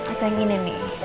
ada yang gini nih